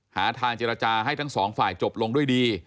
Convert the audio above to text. หาทางเจรจาให้ทั้งสองฝ่ายจบลงด้วยดี